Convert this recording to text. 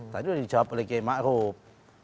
tadi sudah dijawab oleh kiai ma'ruf